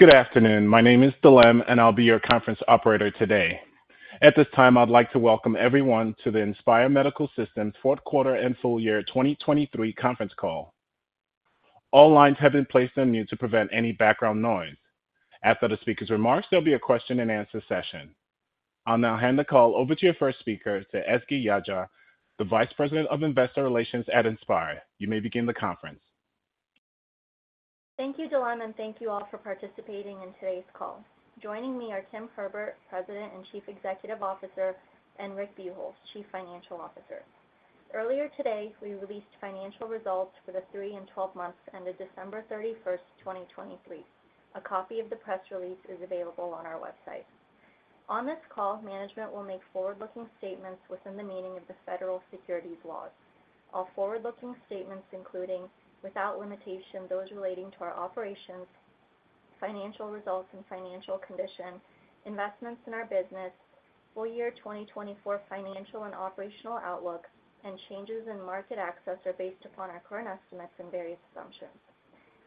Good afternoon. My name is Dilem, and I'll be your conference operator today. At this time, I'd like to welcome everyone to the Inspire Medical Systems Fourth Quarter and Full Year 2023 Conference Call. All lines have been placed on mute to prevent any background noise. After the speaker's remarks, there'll be a question and answer session. I'll now hand the call over to your first speaker, to Ezgi Yagci, the Vice President of Investor Relations at Inspire. You may begin the conference. Thank you, Dilem, and thank you all for participating in today's call. Joining me are Tim Herbert, President and Chief Executive Officer, and Rick Buchholz, Chief Financial Officer. Earlier today, we released financial results for the three and twelve months ended December 31, 2023. A copy of the press release is available on our website. On this call, management will make forward-looking statements within the meaning of the federal securities laws. All forward-looking statements, including without limitation, those relating to our operations, financial results, and financial condition, investments in our business, full year 2024 financial and operational outlook, and changes in market access, are based upon our current estimates and various assumptions.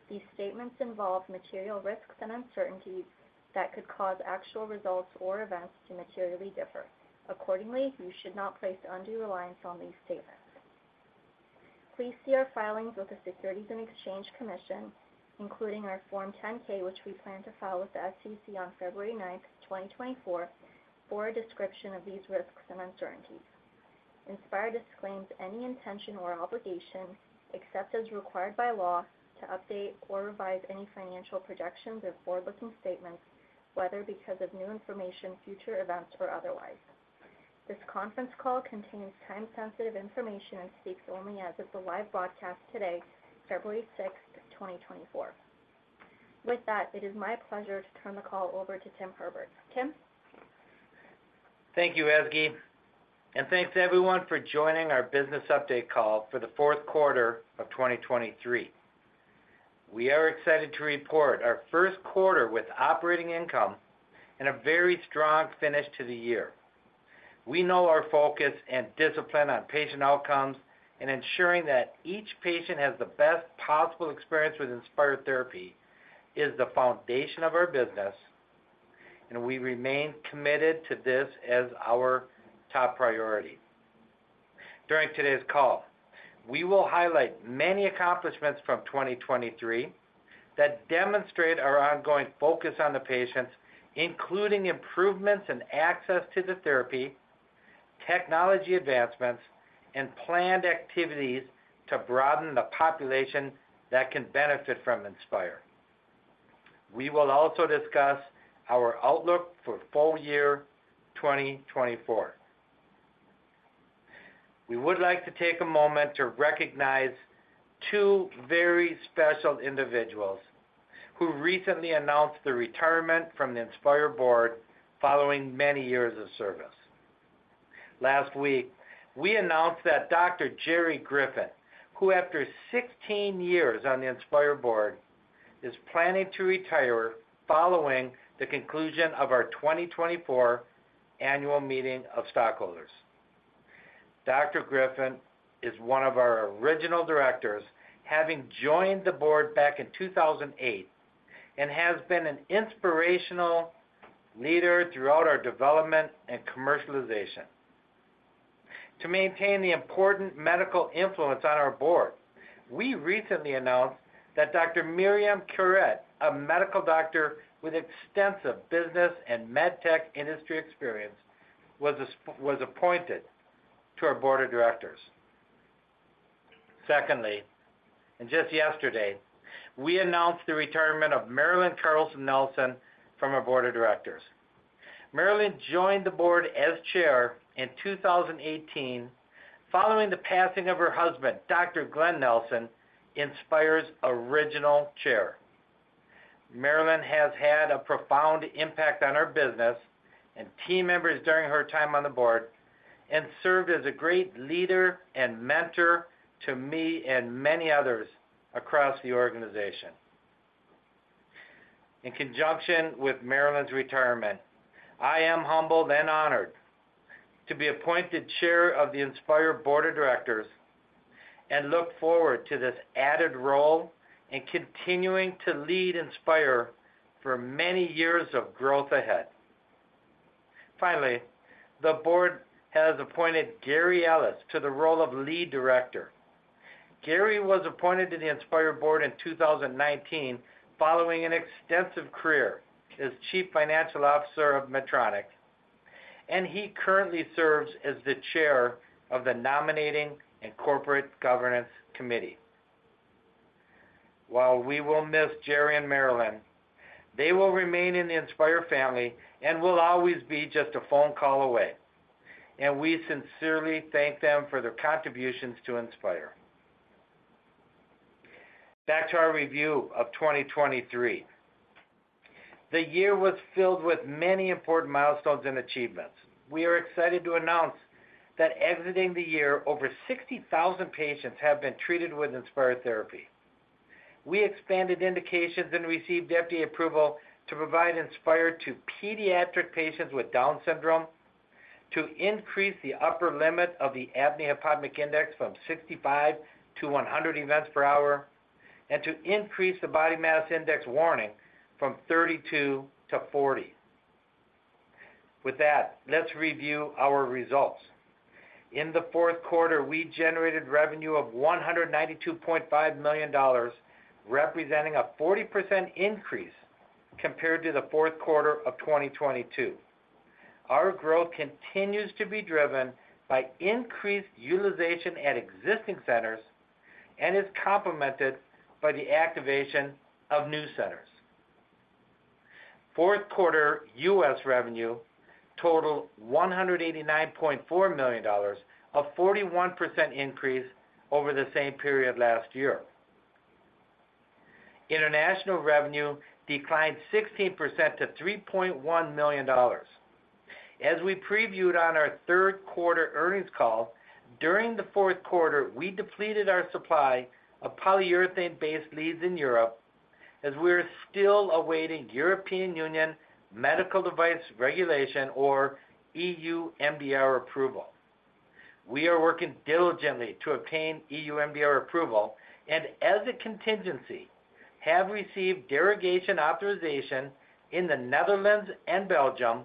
These statements involve material risks and uncertainties that could cause actual results or events to materially differ. Accordingly, you should not place undue reliance on these statements. Please see our filings with the Securities and Exchange Commission, including our Form 10-K, which we plan to file with the SEC on February 9, 2024, for a description of these risks and uncertainties. Inspire disclaims any intention or obligation, except as required by law, to update or revise any financial projections or forward-looking statements, whether because of new information, future events, or otherwise. This conference call contains time-sensitive information and speaks only as of the live broadcast today, February sixth, 2024. With that, it is my pleasure to turn the call over to Tim Herbert. Tim? Thank you, Ezgi, and thanks to everyone for joining our business update call for the fourth quarter of 2023. We are excited to report our first quarter with operating income and a very strong finish to the year. We know our focus and discipline on patient outcomes and ensuring that each patient has the best possible experience with Inspire therapy is the foundation of our business, and we remain committed to this as our top priority. During today's call, we will highlight many accomplishments from 2023 that demonstrate our ongoing focus on the patients, including improvements in access to the therapy, technology advancements, and planned activities to broaden the population that can benefit from Inspire. We will also discuss our outlook for full year 2024. We would like to take a moment to recognize two very special individuals who recently announced their retirement from the Inspire Board following many years of service. Last week, we announced that Dr. Jerry Griffin, who after 16 years on the Inspire Board, is planning to retire following the conclusion of our 2024 annual meeting of stockholders. Dr. Griffin is one of our original directors, having joined the board back in 2008, and has been an inspirational leader throughout our development and commercialization. To maintain the important medical influence on our board, we recently announced that Dr. Myriam Curet, a medical doctor with extensive business and medtech industry experience, was appointed to our board of directors. Secondly, and just yesterday, we announced the retirement of Marilyn Carlson Nelson from our board of directors. Marilyn joined the board as Chair in 2018 following the passing of her husband, Dr. Glen Nelson, Inspire's original Chair. Marilyn has had a profound impact on our business and team members during her time on the board and served as a great leader and mentor to me and many others across the organization. In conjunction with Marilyn's retirement, I am humbled and honored to be appointed Chair of the Inspire Board of Directors and look forward to this added role in continuing to lead Inspire for many years of growth ahead. Finally, the board has appointed Gary Ellis to the role of Lead Director. Gary was appointed to the Inspire Board in 2019 following an extensive career as Chief Financial Officer of Medtronic, and he currently serves as the Chair of the Nominating and Corporate Governance Committee. While we will miss Jerry and Marilyn, they will remain in the Inspire family and will always be just a phone call away, and we sincerely thank them for their contributions to Inspire. Back to our review of 2023. The year was filled with many important milestones and achievements. We are excited to announce that exiting the year, over 60,000 patients have been treated with Inspire therapy. We expanded indications and received FDA approval to provide Inspire to pediatric patients with Down syndrome, to increase the upper limit of the Apnea-Hypopnea Index from 65 to 100 events per hour, and to increase the body mass index warning from 32 to 40. With that, let's review our results. In the fourth quarter, we generated revenue of $192.5 million, representing a 40% increase compared to the fourth quarter of 2022. Our growth continues to be driven by increased utilization at existing centers and is complemented by the activation of new centers. Fourth quarter U.S. revenue totaled $189.4 million, a 41% increase over the same period last year. International revenue declined 16% to $3.1 million. As we previewed on our third quarter earnings call, during the fourth quarter, we depleted our supply of polyurethane-based leads in Europe, as we are still awaiting European Union Medical Device Regulation or E.U. MDR approval. We are working diligently to obtain E.U. MDR approval and as a contingency, have received derogation authorization in the Netherlands and Belgium,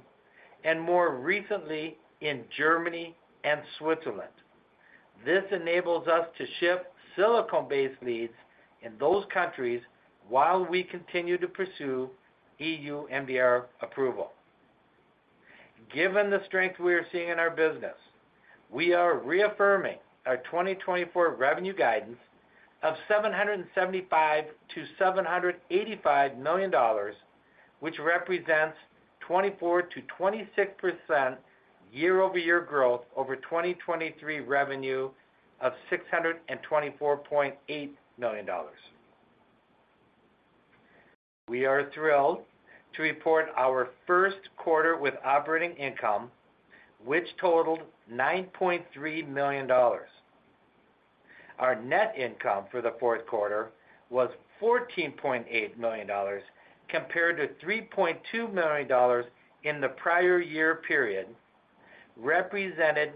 and more recently, in Germany and Switzerland. This enables us to ship silicone-based leads in those countries while we continue to pursue E.U. MDR approval. Given the strength we are seeing in our business, we are reaffirming our 2024 revenue guidance of $775 million-$785 million, which represents 24%-26% year-over-year growth over 2023 revenue of $624.8 million. We are thrilled to report our first quarter with operating income, which totaled $9.3 million. Our net income for the fourth quarter was $14.8 million, compared to $3.2 million in the prior year period, represented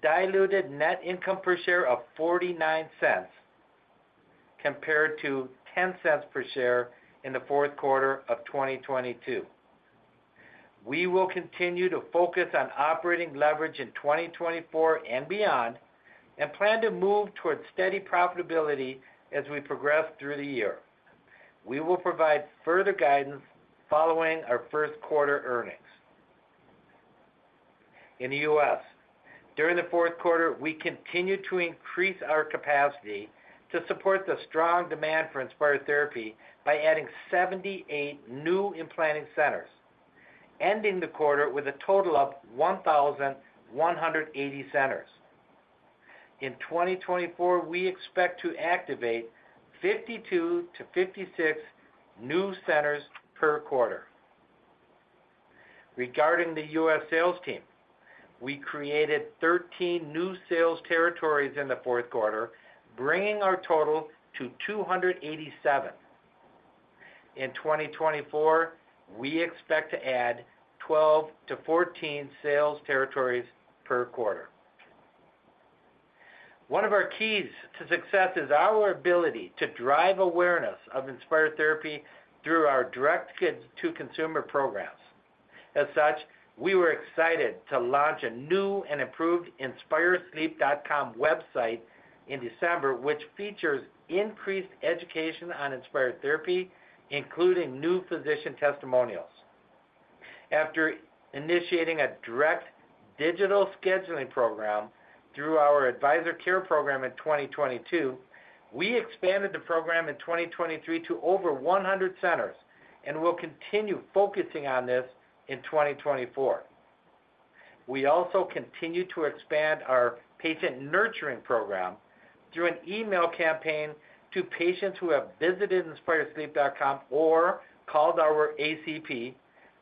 diluted net income per share of $0.49, compared to $0.10 per share in the fourth quarter of 2022. We will continue to focus on operating leverage in 2024 and beyond, and plan to move towards steady profitability as we progress through the year. We will provide further guidance following our first quarter earnings. In the U.S., during the fourth quarter, we continued to increase our capacity to support the strong demand for Inspire therapy by adding 78 new implanting centers, ending the quarter with a total of 1,180 centers. In 2024, we expect to activate 52-56 new centers per quarter. Regarding the U.S. sales team, we created 13 new sales territories in the fourth quarter, bringing our total to 287. In 2024, we expect to add 12-14 sales territories per quarter. One of our keys to success is our ability to drive awareness of Inspire therapy through our direct to consumer programs. As such, we were excited to launch a new and improved inspiresleep.com website in December, which features increased education on Inspire therapy, including new physician testimonials. After initiating a direct digital scheduling program through our Advisor Care Program in 2022, we expanded the program in 2023 to over 100 centers and will continue focusing on this in 2024. We also continued to expand our patient nurturing program through an email campaign to patients who have visited inspiresleep.com or called our ACP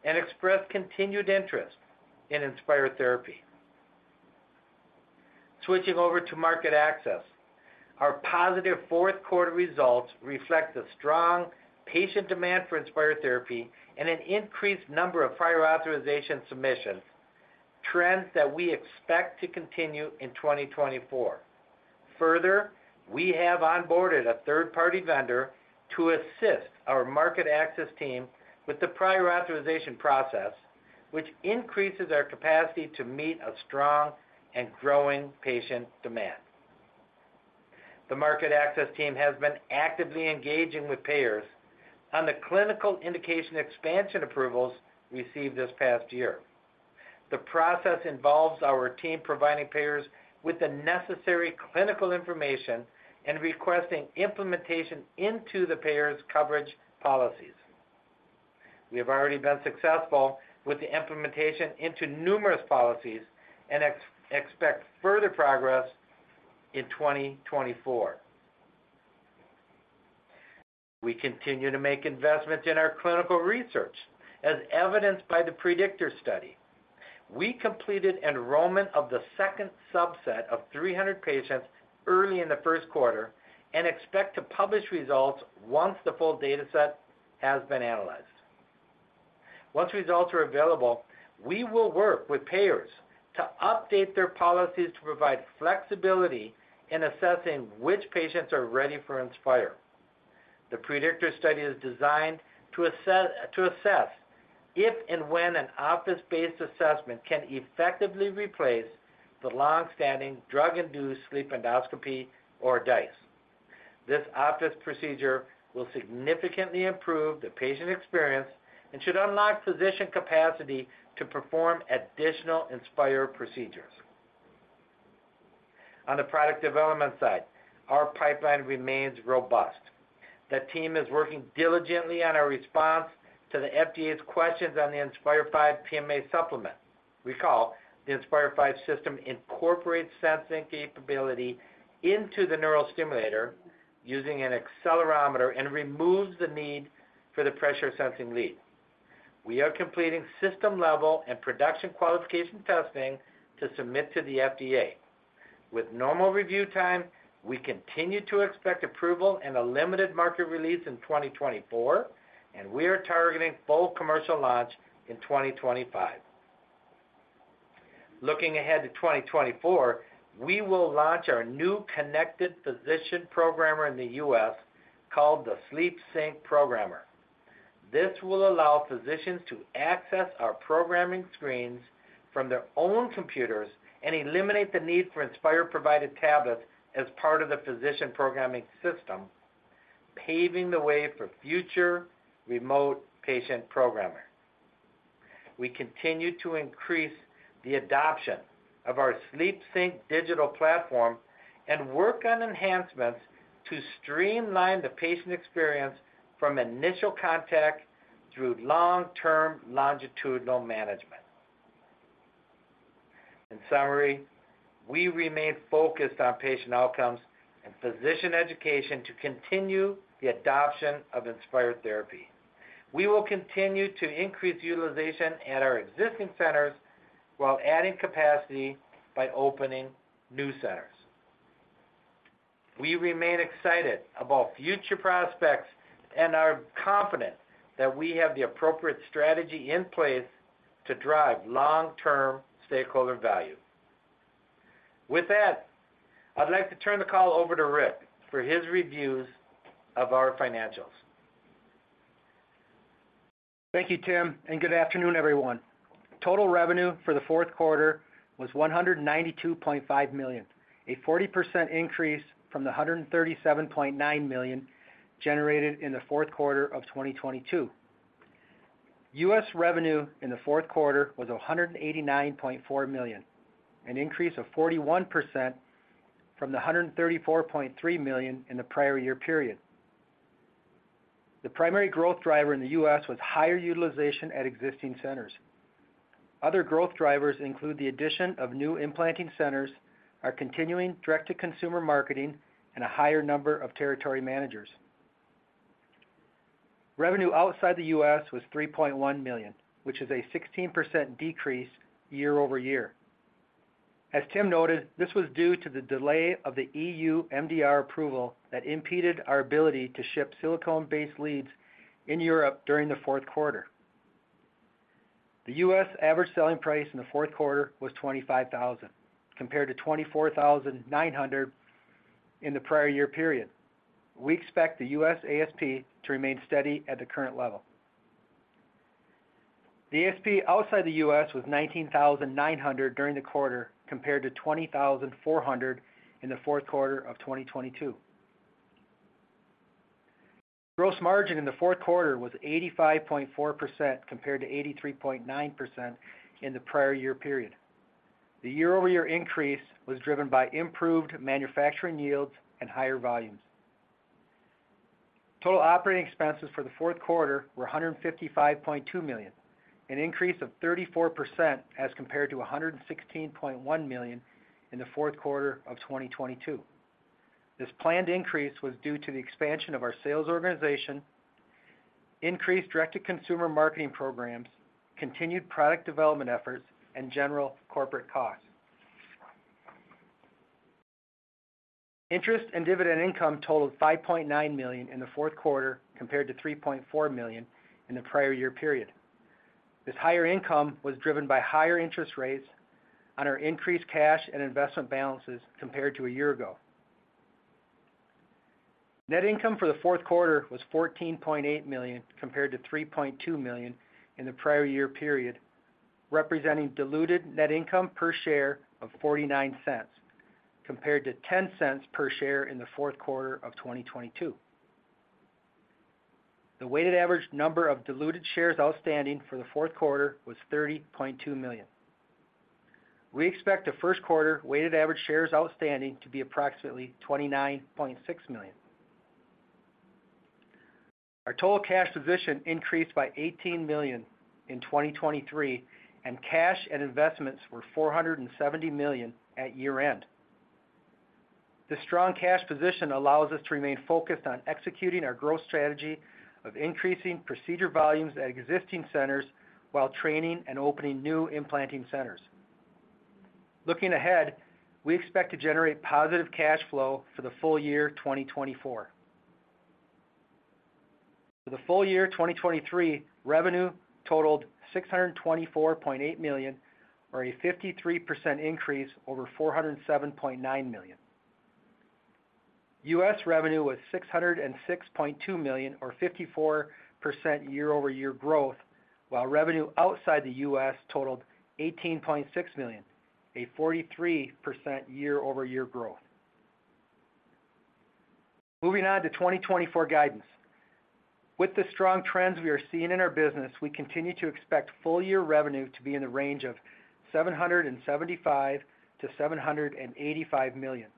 and expressed continued interest in Inspire therapy. Switching over to market access, our positive fourth quarter results reflect the strong patient demand for Inspire therapy and an increased number of prior authorization submissions, trends that we expect to continue in 2024. Further, we have onboarded a third-party vendor to assist our market access team with the prior authorization process, which increases our capacity to meet a strong and growing patient demand. The market access team has been actively engaging with payers on the clinical indication expansion approvals received this past year. The process involves our team providing payers with the necessary clinical information and requesting implementation into the payer's coverage policies. We have already been successful with the implementation into numerous policies and expect further progress in 2024. We continue to make investments in our clinical research, as evidenced by the Predictor Study. We completed enrollment of the second subset of 300 patients early in the first quarter and expect to publish results once the full dataset has been analyzed. Once results are available, we will work with payers to update their policies to provide flexibility in assessing which patients are ready for Inspire. The Predictor Study is designed to assess if and when an office-based assessment can effectively replace the long-standing drug-induced sleep endoscopy or DISE. This office procedure will significantly improve the patient experience and should unlock physician capacity to perform additional Inspire procedures. On the product development side, our pipeline remains robust. The team is working diligently on our response to the FDA's questions on the Inspire V PMA supplement. Recall, the Inspire V system incorporates sensing capability into the neurostimulator using an accelerometer and removes the need for the pressure sensing lead. We are completing system-level and production qualification testing to submit to the FDA. With normal review time, we continue to expect approval and a limited market release in 2024, and we are targeting full commercial launch in 2025. Looking ahead to 2024, we will launch our new connected physician programmer in the U.S., called the SleepSync Programmer. This will allow physicians to access our programming screens from their own computers and eliminate the need for Inspire-provided tablets as part of the physician programming system, paving the way for future remote patient programming. We continue to increase the adoption of our SleepSync digital platform and work on enhancements to streamline the patient experience from initial contact through long-term longitudinal management. In summary, we remain focused on patient outcomes and physician education to continue the adoption of Inspire therapy. We will continue to increase utilization at our existing centers while adding capacity by opening new centers. We remain excited about future prospects and are confident that we have the appropriate strategy in place to drive long-term stakeholder value. With that, I'd like to turn the call over to Rick for his reviews of our financials. Thank you, Tim, and good afternoon, everyone. Total revenue for the fourth quarter was $192.5 million, a 40% increase from the $137.9 million generated in the fourth quarter of 2022. U.S. revenue in the fourth quarter was $189.4 million, an increase of 41% from the $134.3 million in the prior year period. The primary growth driver in the U.S. was higher utilization at existing centers. Other growth drivers include the addition of new implanting centers, our continuing direct-to-consumer marketing, and a higher number of territory managers. Revenue outside the U.S. was $3.1 million, which is a 16% decrease year-over-year. As Tim noted, this was due to the delay of the E.U. MDR approval that impeded our ability to ship silicone-based leads in Europe during the fourth quarter. The U.S. average selling price in the fourth quarter was $25,000, compared to $24,900 in the prior year period. We expect the U.S. ASP to remain steady at the current level. The ASP outside the U.S. was $19,900 during the quarter, compared to $20,400 in the fourth quarter of 2022. Gross margin in the fourth quarter was 85.4%, compared to 83.9% in the prior year period. The year-over-year increase was driven by improved manufacturing yields and higher volumes. Total operating expenses for the fourth quarter were $155.2 million, an increase of 34% as compared to $116.1 million in the fourth quarter of 2022. This planned increase was due to the expansion of our sales organization, increased direct-to-consumer marketing programs, continued product development efforts, and general corporate costs. Interest and dividend income totaled $5.9 million in the fourth quarter, compared to $3.4 million in the prior year period. This higher income was driven by higher interest rates on our increased cash and investment balances compared to a year ago. Net income for the fourth quarter was $14.8 million, compared to $3.2 million in the prior year period, representing diluted net income per share of $0.49, compared to $0.10 per share in the fourth quarter of 2022. The weighted average number of diluted shares outstanding for the fourth quarter was 30.2 million. We expect the first quarter weighted average shares outstanding to be approximately 29.6 million. Our total cash position increased by $18 million in 2023, and cash and investments were $470 million at year-end. This strong cash position allows us to remain focused on executing our growth strategy of increasing procedure volumes at existing centers while training and opening new implanting centers.... Looking ahead, we expect to generate positive cash flow for the full year 2024. For the full year 2023, revenue totaled $624.8 million, or a 53% increase over $407.9 million. U.S. revenue was $606.2 million, or 54% year-over-year growth, while revenue outside the U.S. totaled $18.6 million, a 43% year-over-year growth. Moving on to 2024 guidance. With the strong trends we are seeing in our business, we continue to expect full-year revenue to be in the range of $775 million-$785 million,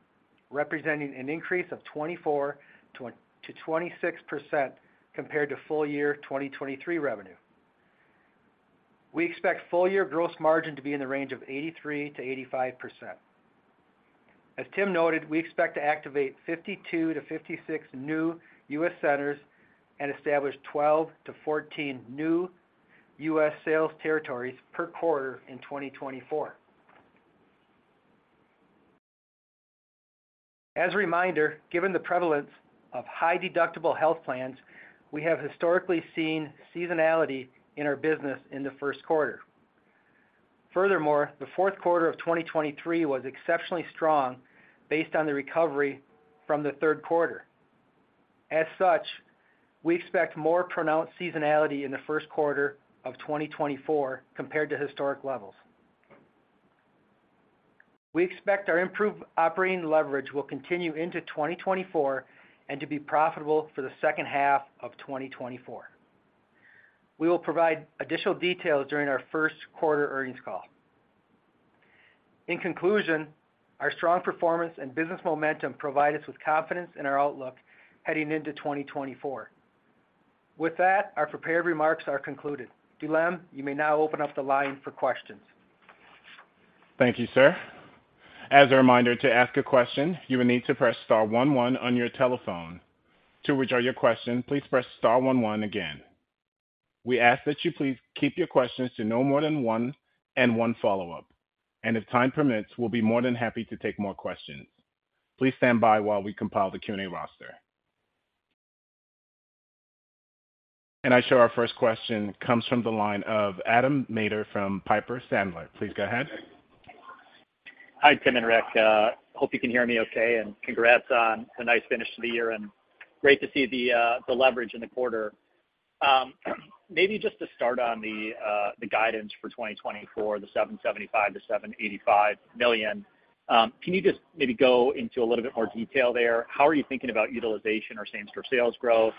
representing an increase of 24% to, to 26% compared to full-year 2023 revenue. We expect full-year gross margin to be in the range of 83%-85%. As Tim noted, we expect to activate 52-56 new US centers and establish 12-14 new US sales territories per quarter in 2024. As a reminder, given the prevalence of high-deductible health plans, we have historically seen seasonality in our business in the first quarter. Furthermore, the fourth quarter of 2023 was exceptionally strong based on the recovery from the third quarter. As such, we expect more pronounced seasonality in the first quarter of 2024 compared to historic levels. We expect our improved operating leverage will continue into 2024 and to be profitable for the second half of 2024. We will provide additional details during our first quarter earnings call. In conclusion, our strong performance and business momentum provide us with confidence in our outlook heading into 2024. With that, our prepared remarks are concluded. Dilem, you may now open up the line for questions. Thank you, sir. As a reminder, to ask a question, you will need to press star one one on your telephone. To withdraw your question, please press star one one again. We ask that you please keep your questions to no more than one and one follow-up, and if time permits, we'll be more than happy to take more questions. Please stand by while we compile the Q&A roster. I show our first question comes from the line of Adam Maeder from Piper Sandler. Please go ahead. Hi, Tim and Rick. Hope you can hear me okay, and congrats on the nice finish to the year, and great to see the leverage in the quarter. Maybe just to start on the guidance for 2024, the $775 million-$785 million. Can you just maybe go into a little bit more detail there? How are you thinking about utilization or same-store sales growth?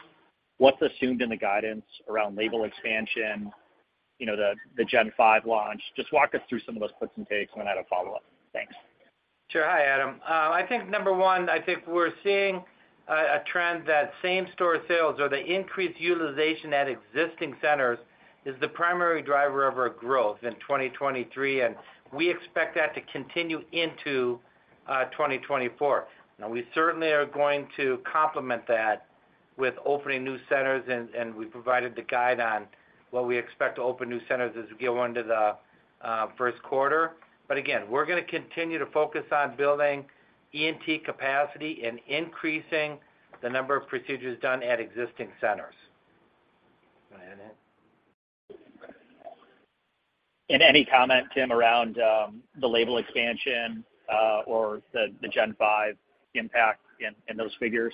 What's assumed in the guidance around label expansion, you know, the Gen 5 launch? Just walk us through some of those puts and takes, and then I have a follow-up. Thanks. Sure. Hi, Adam. I think, number one, I think we're seeing a trend that same-store sales or the increased utilization at existing centers is the primary driver of our growth in 2023, and we expect that to continue into 2024. Now, we certainly are going to complement that with opening new centers, and, and we provided the guide on what we expect to open new centers as we go into the first quarter. But again, we're gonna continue to focus on building ENT capacity and increasing the number of procedures done at existing centers. Go ahead, Ed? Any comment, Tim, around the label expansion, or the Gen 5 impact in those figures?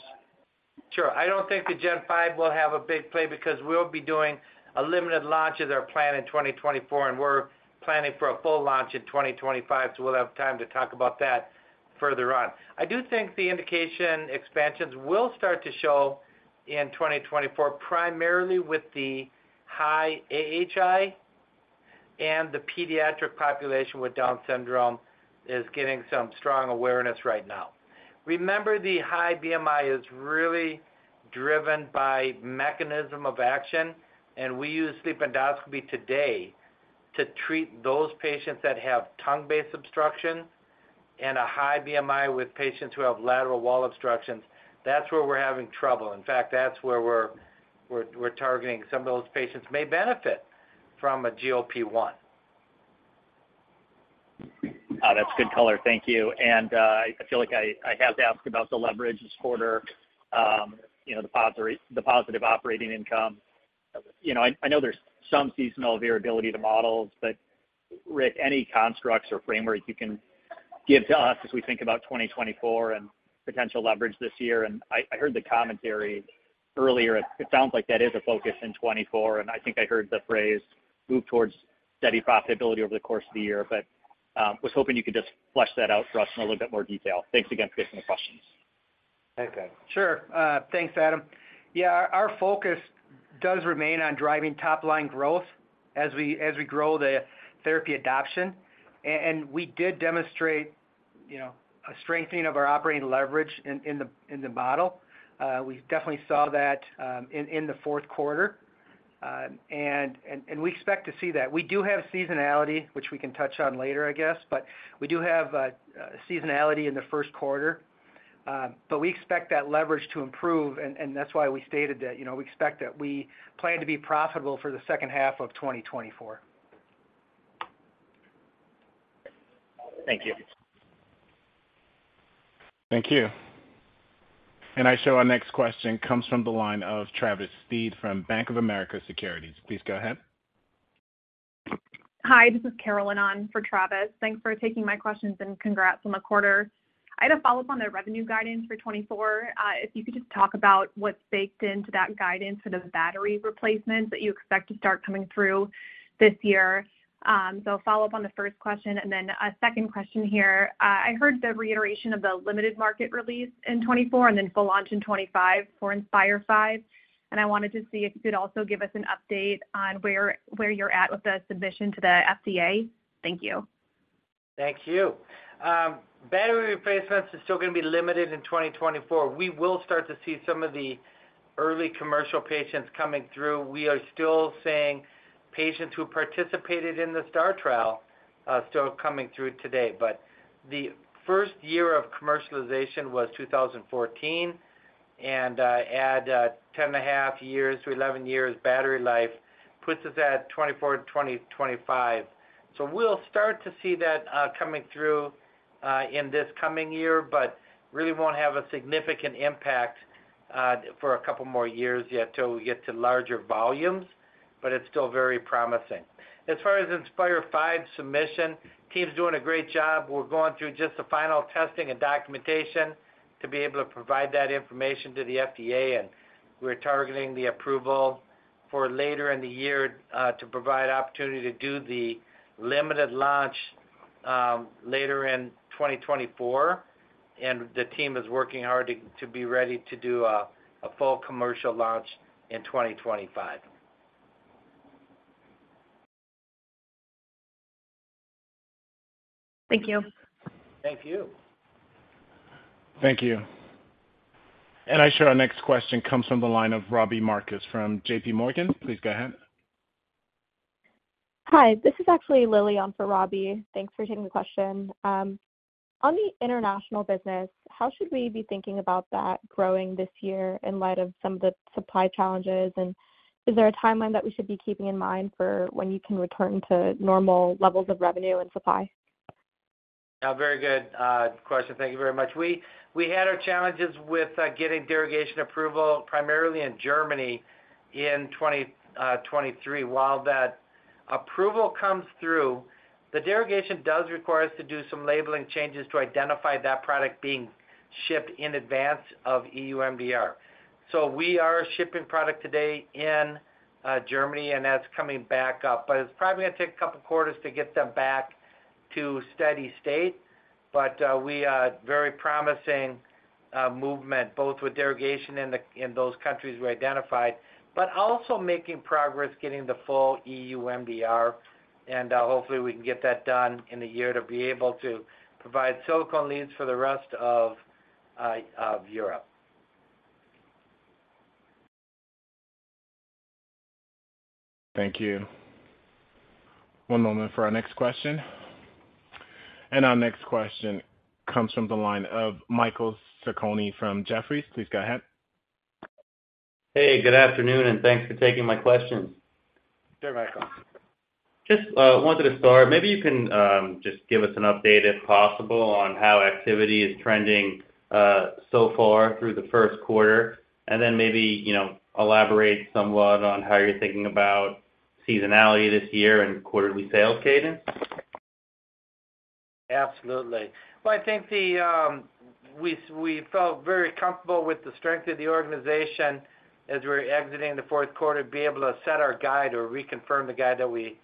Sure. I don't think the Gen 5 will have a big play because we'll be doing a limited launch of their plan in 2024, and we're planning for a full launch in 2025, so we'll have time to talk about that further on. I do think the indication expansions will start to show in 2024, primarily with the high AHI and the pediatric population with Down syndrome is getting some strong awareness right now. Remember, the high BMI is really driven by mechanism of action, and we use sleep endoscopy today to treat those patients that have tongue-based obstruction and a high BMI with patients who have lateral wall obstructions. That's where we're having trouble. In fact, that's where we're targeting. Some of those patients may benefit from a GLP-1. Ah, that's good color. Thank you. And I feel like I have to ask about the leverage this quarter, you know, the positive operating income. You know, I know there's some seasonal variability to models, but Rick, any constructs or frameworks you can give to us as we think about 2024 and potential leverage this year? And I heard the commentary earlier. It sounds like that is a focus in 2024, and I think I heard the phrase, "Move towards steady profitability over the course of the year." But was hoping you could just flesh that out for us in a little bit more detail. Thanks again for taking the questions. Okay. Sure. Thanks, Adam. Yeah, our focus does remain on driving top-line growth as we grow the therapy adoption, and we did demonstrate, you know, a strengthening of our operating leverage in the model. We definitely saw that in the fourth quarter. We expect to see that. We do have seasonality, which we can touch on later, I guess, but we do have seasonality in the first quarter.... but we expect that leverage to improve, and, and that's why we stated that, you know, we expect that we plan to be profitable for the second half of 2024. Thank you. Thank you. And I show our next question comes from the line of Travis Steed from Bank of America Securities. Please go ahead. Hi, this is Carolyn on for Travis. Thanks for taking my questions, and congrats on the quarter. I had a follow-up on the revenue guidance for 2024. If you could just talk about what's baked into that guidance for the battery replacements that you expect to start coming through this year. So I'll follow up on the first question and then a second question here. I heard the reiteration of the limited market release in 2024 and then full launch in 2025 for Inspire V, and I wanted to see if you could also give us an update on where you're at with the submission to the FDA. Thank you. Thank you. Battery replacements is still going to be limited in 2024. We will start to see some of the early commercial patients coming through. We are still seeing patients who participated in the STAR trial still coming through today. But the first year of commercialization was 2014, and add ten and a half years to eleven years battery life puts us at 2024 to 2025. So we'll start to see that coming through in this coming year, but really won't have a significant impact for a couple more years yet till we get to larger volumes, but it's still very promising. As far as Inspire V submission, team's doing a great job. We're going through just the final testing and documentation to be able to provide that information to the FDA, and we're targeting the approval for later in the year to provide opportunity to do the limited launch later in 2024. And the team is working hard to be ready to do a full commercial launch in 2025. Thank you. Thank you. Thank you. And I show our next question comes from the line of Robbie Marcus from JPMorgan. Please go ahead. Hi, this is actually Lilly on for Robbie. Thanks for taking the question. On the international business, how should we be thinking about that growing this year in light of some of the supply challenges? And is there a timeline that we should be keeping in mind for when you can return to normal levels of revenue and supply? Yeah, very good, question. Thank you very much. We, we had our challenges with, getting derogation approval, primarily in Germany, in 2023. While that approval comes through, the derogation does require us to do some labeling changes to identify that product being shipped in advance of E.U. MDR. So we are shipping product today in, Germany, and that's coming back up. But it's probably going to take a couple of quarters to get them back to steady state. But, we are very promising, movement, both with derogation in the, in those countries we identified, but also making progress getting the full E.U. MDR. And, hopefully, we can get that done in the year to be able to provide silicone leads for the rest of, of Europe. Thank you. One moment for our next question. Our next question comes from the line of Michael Sarcone from Jefferies. Please go ahead. Hey, good afternoon, and thanks for taking my questions. Sure, Michael. Just wanted to start. Maybe you can just give us an update, if possible, on how activity is trending so far through the first quarter, and then maybe, you know, elaborate somewhat on how you're thinking about seasonality this year and quarterly sales cadence. Absolutely. Well, I think we felt very comfortable with the strength of the organization as we were exiting the fourth quarter, to be able to set our guide or reconfirm the guide that we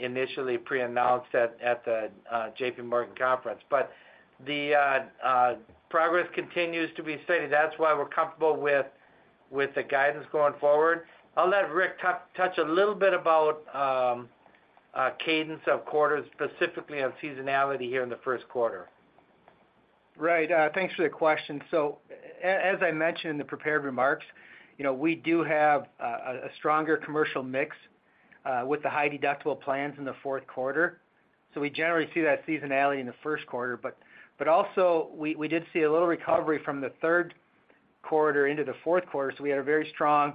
initially pre-announced at the JPMorgan conference. But the progress continues to be steady. That's why we're comfortable with the guidance going forward. I'll let Rick talk, touch a little bit about cadence of quarters, specifically on seasonality here in the first quarter. Right. Thanks for the question. So as I mentioned in the prepared remarks, you know, we do have a stronger commercial mix with the high deductible plans in the fourth quarter. So we generally see that seasonality in the first quarter. But also we did see a little recovery from the third quarter into the fourth quarter, so we had a very strong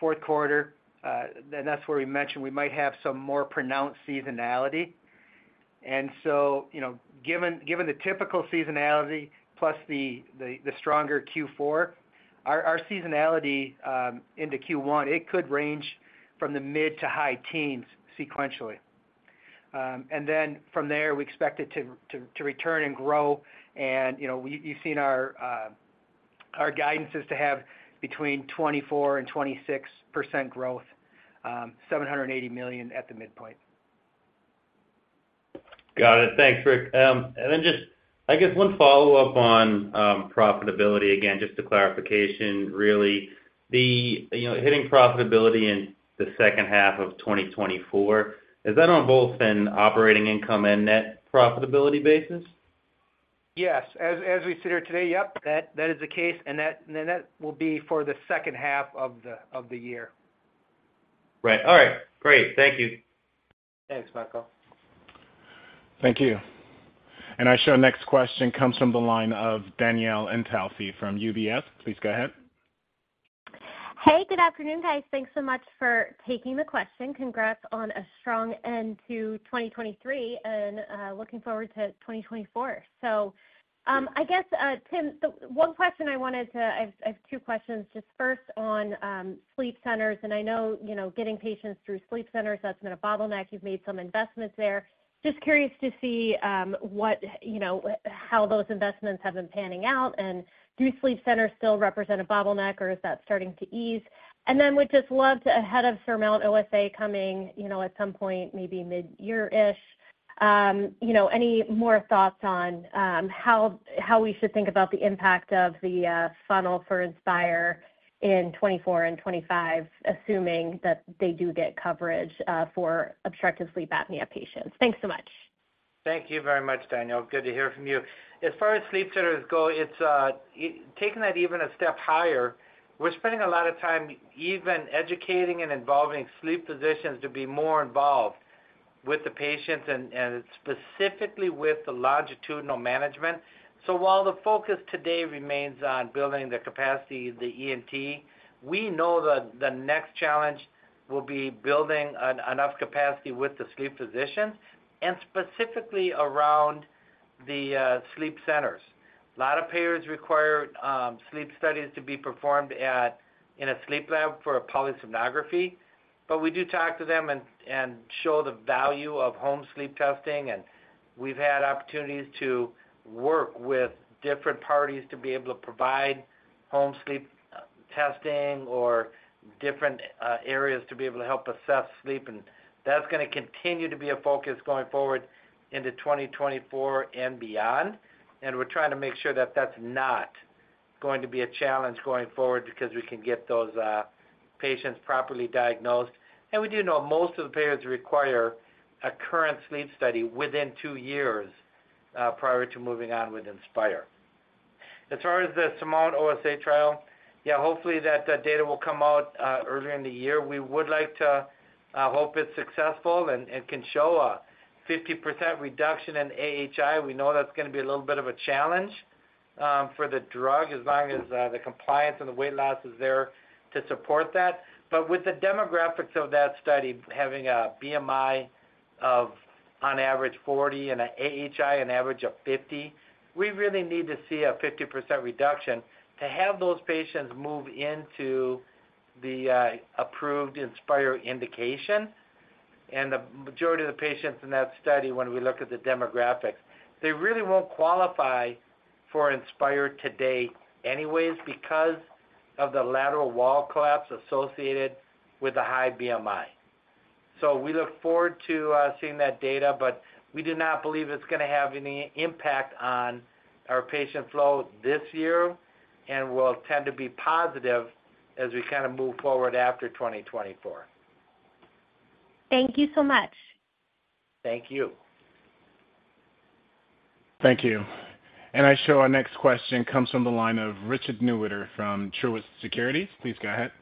fourth quarter, and that's where we mentioned we might have some more pronounced seasonality. And so, you know, given the typical seasonality plus the stronger Q4, our seasonality into Q1, it could range from the mid- to high teens sequentially. And then from there, we expect it to return and grow, and, you know, we've seen our guidance is to have between 24% and 26% growth, $780 million at the midpoint. Got it. Thanks, Rick. And then just, I guess one follow-up on profitability. Again, just a clarification, really. The, you know, hitting profitability in the second half of 2024, is that on both an operating income and net profitability basis? Yes. As we sit here today, yep, that is the case, and that will be for the second half of the year. ... Right. All right, great. Thank you. Thanks, Michael. Thank you. Our next question comes from the line of Danielle Antalffy from UBS. Please go ahead. Hey, good afternoon, guys. Thanks so much for taking the question. Congrats on a strong end to 2023 and looking forward to 2024. So, I guess, Tim, I have two questions. Just first on sleep centers, and I know, you know, getting patients through sleep centers, that's been a bottleneck. You've made some investments there. Just curious to see what, you know, how those investments have been panning out, and do sleep centers still represent a bottleneck, or is that starting to ease? Then would just love to, ahead of SURMOUNT-OSA coming, you know, at some point, maybe midyear-ish, you know, any more thoughts on, how we should think about the impact of the, funnel for Inspire in 2024 and 2025, assuming that they do get coverage, for obstructive sleep apnea patients? Thanks so much. Thank you very much, Danielle. Good to hear from you. As far as sleep centers go, it's taking that even a step higher, we're spending a lot of time even educating and involving sleep physicians to be more involved with the patients and, and specifically with the longitudinal management. So while the focus today remains on building the capacity of the ENT, we know that the next challenge will be building enough capacity with the sleep physicians and specifically around the sleep centers. A lot of payers require sleep studies to be performed in a sleep lab for a polysomnography, but we do talk to them and, and show the value of home sleep testing, and we've had opportunities to work with different parties to be able to provide home sleep testing or different areas to be able to help assess sleep. That's gonna continue to be a focus going forward into 2024 and beyond. We're trying to make sure that that's not going to be a challenge going forward because we can get those patients properly diagnosed. We do know most of the payers require a current sleep study within two years prior to moving on with Inspire. As far as the SURMOUNT-OSA trial, yeah, hopefully, that data will come out earlier in the year. We would like to hope it's successful and can show a 50% reduction in AHI. We know that's gonna be a little bit of a challenge for the drug, as long as the compliance and the weight loss is there to support that. But with the demographics of that study, having a BMI of on average 40 and an AHI, an average of 50, we really need to see a 50% reduction to have those patients move into the approved Inspire indication. And the majority of the patients in that study, when we look at the demographics, they really won't qualify for Inspire today anyways because of the lateral wall collapse associated with a high BMI. So we look forward to seeing that data, but we do not believe it's gonna have any impact on our patient flow this year and will tend to be positive as we kind of move forward after 2024. Thank you so much. Thank you. Thank you. I show our next question comes from the line of Richard Newitter from Truist Securities. Please go ahead.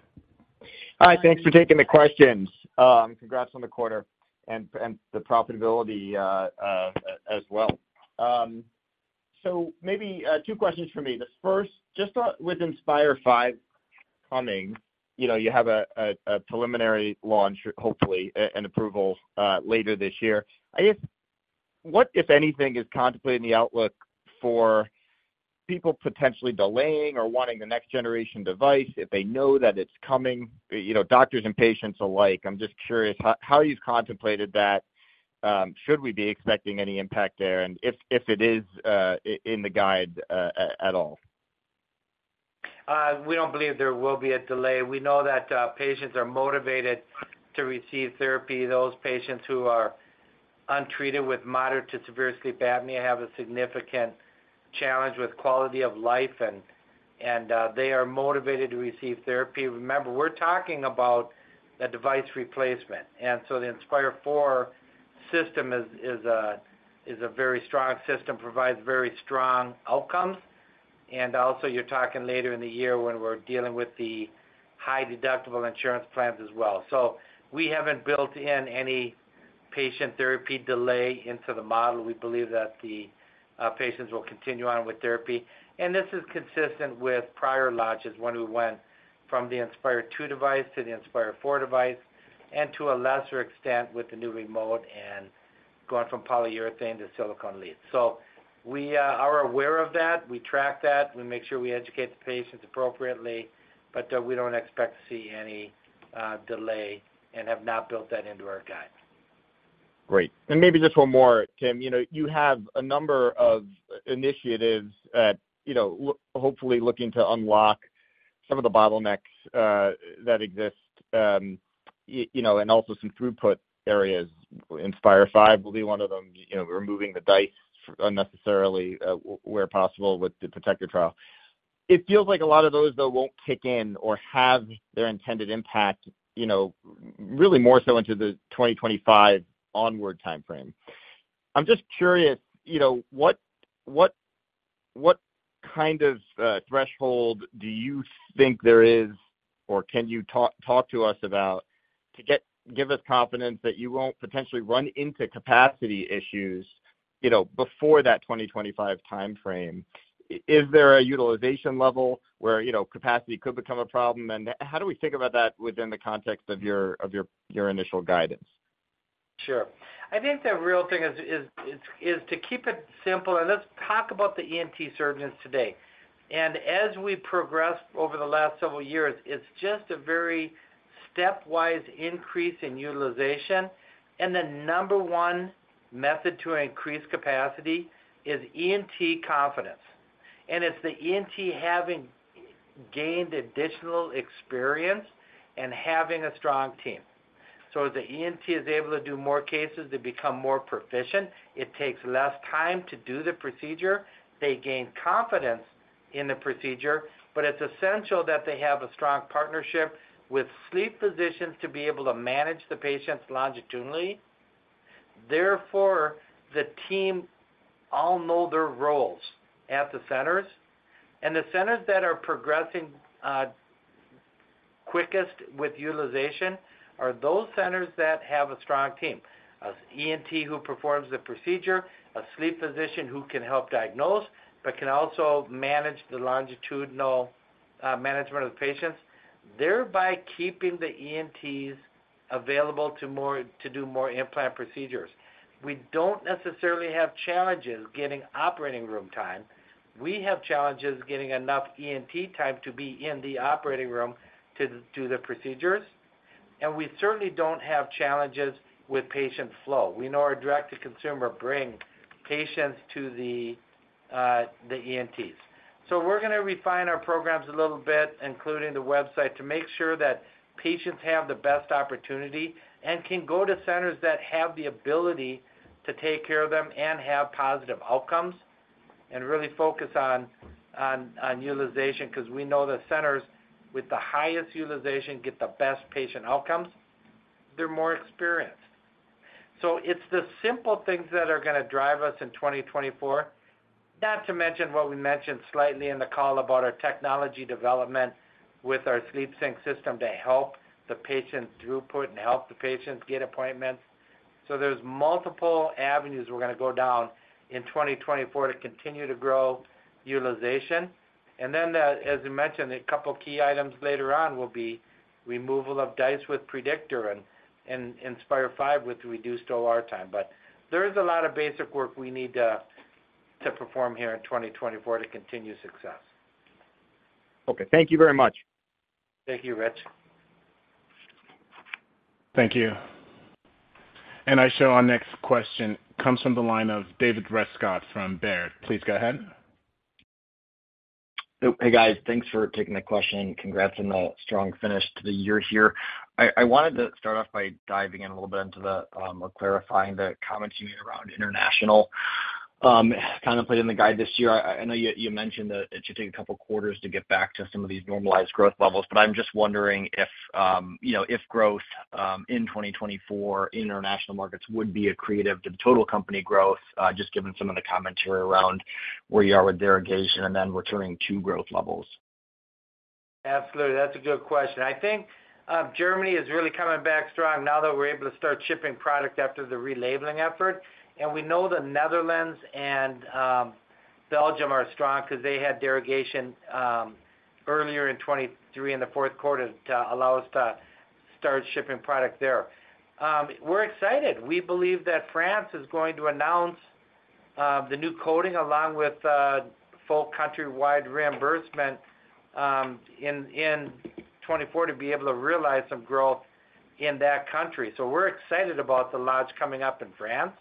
Hi, thanks for taking the questions. Congrats on the quarter and the profitability, as well. So maybe two questions for me. The first, just, with Inspire V coming, you know, you have a preliminary launch, hopefully, an approval later this year. I guess, what, if anything, is contemplated in the outlook for people potentially delaying or wanting the next generation device if they know that it's coming, you know, doctors and patients alike? I'm just curious how you've contemplated that, should we be expecting any impact there, and if it is in the guide at all? We don't believe there will be a delay. We know that patients are motivated to receive therapy. Those patients who are untreated with moderate to severe sleep apnea have a significant challenge with quality of life, and they are motivated to receive therapy. Remember, we're talking about a device replacement, and so the Inspire IV system is a very strong system, provides very strong outcomes. And also, you're talking later in the year when we're dealing with the high deductible insurance plans as well. So we haven't built in any patient therapy delay into the model. We believe that the patients will continue on with therapy. And this is consistent with prior launches when we went from the Inspire II device to the Inspire IV device, and to a lesser extent, with the new remote and going from polyurethane to silicone leads. So we are aware of that. We track that. We make sure we educate the patients appropriately, but we don't expect to see any delay and have not built that into our guide. Great. And maybe just one more, Tim. You know, you have a number of initiatives that, you know, hopefully, looking to unlock some of the bottlenecks, that exist, you know, and also some throughput areas. Inspire V will be one of them, you know, removing the DISE unnecessarily, where possible with the Predictor trial. It feels like a lot of those, though, won't kick in or have their intended impact, you know, really more so into the 2025 onward timeframe. I'm just curious, you know, what... What kind of threshold do you think there is, or can you talk to us about, to give us confidence that you won't potentially run into capacity issues, you know, before that 2025 time frame? Is there a utilization level where, you know, capacity could become a problem? How do we think about that within the context of your initial guidance? Sure. I think the real thing is to keep it simple, and let's talk about the ENT surgeons today. As we progress over the last several years, it's just a very stepwise increase in utilization. The number one method to increase capacity is ENT confidence, and it's the ENT having gained additional experience and having a strong team. As the ENT is able to do more cases, they become more proficient. It takes less time to do the procedure. They gain confidence in the procedure, but it's essential that they have a strong partnership with sleep physicians to be able to manage the patients longitudinally. Therefore, the team all know their roles at the centers, and the centers that are progressing quickest with utilization are those centers that have a strong team. An ENT who performs the procedure, a sleep physician who can help diagnose, but can also manage the longitudinal management of the patients, thereby keeping the ENTs available to more to do more implant procedures. We don't necessarily have challenges getting operating room time. We have challenges getting enough ENT time to be in the operating room to do the procedures, and we certainly don't have challenges with patient flow. We know our direct-to-consumer bring patients to the ENTs. So we're gonna refine our programs a little bit, including the website, to make sure that patients have the best opportunity and can go to centers that have the ability to take care of them and have positive outcomes, and really focus on utilization, because we know the centers with the highest utilization get the best patient outcomes. They're more experienced. So it's the simple things that are gonna drive us in 2024. Not to mention what we mentioned slightly in the call about our technology development with our SleepSync system to help the patients' throughput and help the patients get appointments. So there's multiple avenues we're gonna go down in 2024 to continue to grow utilization. And then, as I mentioned, a couple of key items later on will be removal of DISE with Predictor and Inspire V with reduced OR time. But there is a lot of basic work we need to perform here in 2024 to continue success. Okay, thank you very much. Thank you, Rich. Thank you. And I show our next question comes from the line of David Rescott from Baird. Please go ahead. Hey, guys. Thanks for taking the question. Congrats on the strong finish to the year here. I wanted to start off by diving in a little bit into the, or clarifying the comments you made around international. Kind of played in the guide this year. I know you mentioned that it should take a couple of quarters to get back to some of these normalized growth levels, but I'm just wondering if, you know, if growth in 2024 in international markets would be accretive to the total company growth, just given some of the commentary around where you are with derogation and then returning to growth levels. Absolutely. That's a good question. I think, Germany is really coming back strong now that we're able to start shipping product after the relabeling effort. And we know the Netherlands and Belgium are strong because they had derogation earlier in 2023, in the fourth quarter to allow us to start shipping product there. We're excited. We believe that France is going to announce the new coding along with full countrywide reimbursement in 2024 to be able to realize some growth in that country. So we're excited about the launch coming up in France.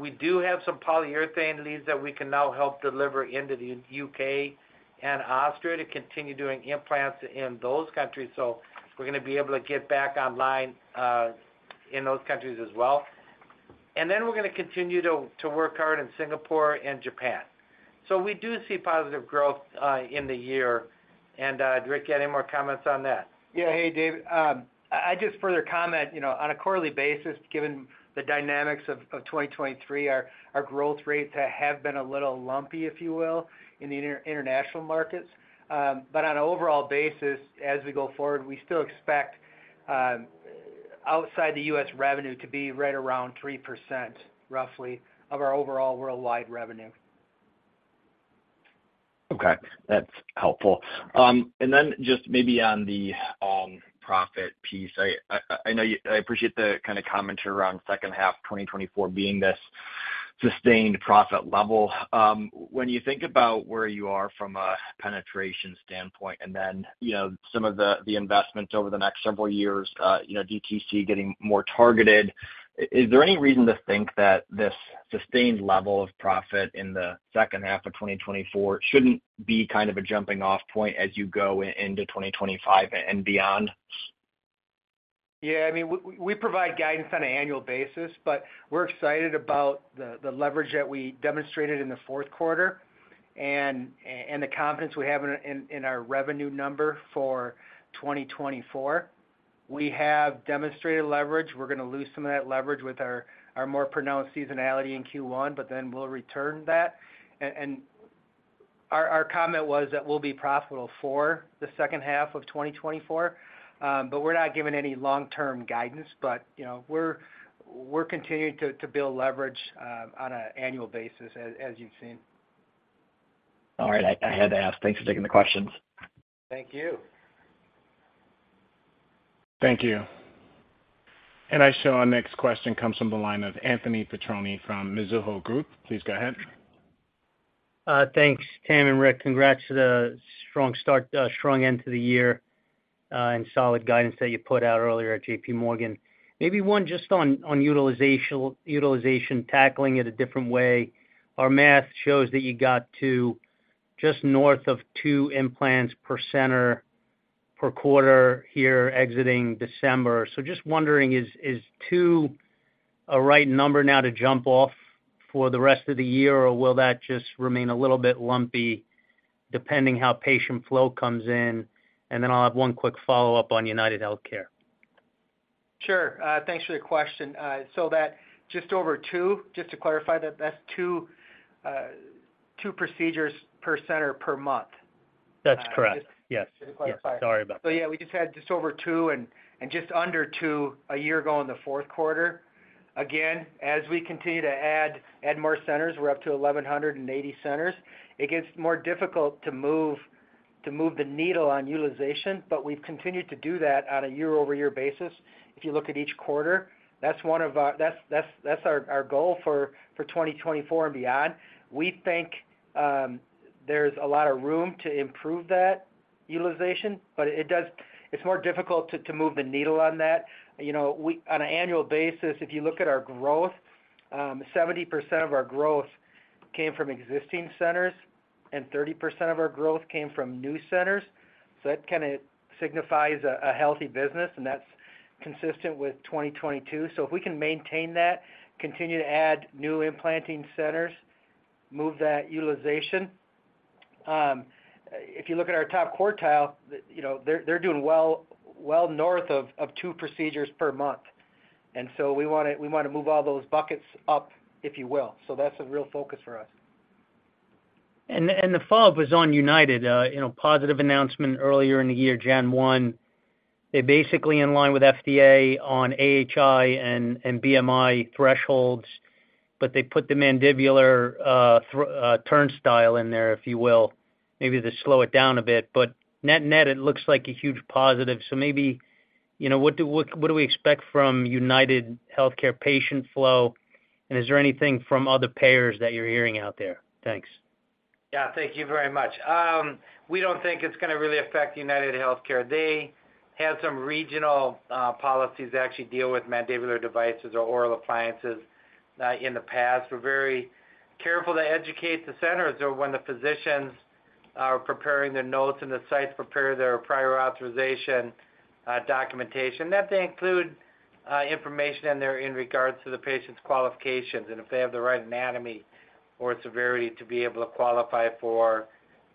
We do have some polyurethane leads that we can now help deliver into the UK and Austria to continue doing implants in those countries, so we're gonna be able to get back online in those countries as well. And then we're gonna continue to work hard in Singapore and Japan. So we do see positive growth in the year. And, Rick, any more comments on that? Yeah. Hey, David. I just further comment, you know, on a quarterly basis, given the dynamics of 2023, our growth rates have been a little lumpy, if you will, in the international markets. But on an overall basis, as we go forward, we still expect outside the U.S. revenue to be right around 3%, roughly, of our overall worldwide revenue. Okay, that's helpful. And then just maybe on the profit piece. I know you-- I appreciate the kind of commentary around second half 2024 being this sustained profit level. When you think about where you are from a penetration standpoint and then, you know, some of the investments over the next several years, you know, DTC getting more targeted, is there any reason to think that this sustained level of profit in the second half of 2024 shouldn't be kind of a jumping off point as you go into 2025 and beyond? Yeah, I mean, we provide guidance on an annual basis, but we're excited about the leverage that we demonstrated in the fourth quarter and the confidence we have in our revenue number for 2024.... we have demonstrated leverage. We're gonna lose some of that leverage with our more pronounced seasonality in Q1, but then we'll return that. And our comment was that we'll be profitable for the second half of 2024, but we're not giving any long-term guidance. But, you know, we're continuing to build leverage on an annual basis, as you've seen. All right, I had to ask. Thanks for taking the questions. Thank you. Thank you. I show our next question comes from the line of Anthony Petrone from Mizuho Group. Please go ahead. Thanks, Tim and Rick. Congrats to the strong start, strong end to the year, and solid guidance that you put out earlier at JPMorgan. Maybe one just on utilization, tackling it a different way. Our math shows that you got to just north of two implants per center per quarter here exiting December. So just wondering, is two a right number now to jump off for the rest of the year, or will that just remain a little bit lumpy, depending how patient flow comes in? And then I'll have one quick follow-up on UnitedHealthcare. Sure. Thanks for your question. So that just over two, just to clarify that, that's two, two procedures per center per month. That's correct. Yes. Just to clarify. Sorry about that. So yeah, we just had just over two and just under two a year ago in the fourth quarter. Again, as we continue to add more centers, we're up to 1,180 centers. It gets more difficult to move the needle on utilization, but we've continued to do that on a year-over-year basis. If you look at each quarter, that's one of our - that's our goal for 2024 and beyond. We think there's a lot of room to improve that utilization, but it does. It's more difficult to move the needle on that. You know, on an annual basis, if you look at our growth, 70% of our growth came from existing centers and 30% of our growth came from new centers, so that kinda signifies a healthy business, and that's consistent with 2022. So if we can maintain that, continue to add new implanting centers, move that utilization, if you look at our top quartile, you know, they're doing well north of 2 procedures per month. And so we wanna move all those buckets up, if you will. So that's a real focus for us. And the follow-up was on UnitedHealthcare, you know, positive announcement earlier in the year, January 1. They're basically in line with FDA on AHI and BMI thresholds, but they put the mandibular turnstile in there, if you will, maybe to slow it down a bit. But net-net, it looks like a huge positive. So maybe, you know, what do we expect from UnitedHealthcare patient flow, and is there anything from other payers that you're hearing out there? Thanks. Yeah, thank you very much. We don't think it's gonna really affect UnitedHealthcare. They had some regional policies that actually deal with mandibular devices or oral appliances in the past. We're very careful to educate the centers or when the physicians are preparing their notes and the sites prepare their prior authorization documentation, that they include information in there in regards to the patient's qualifications and if they have the right anatomy or severity to be able to qualify for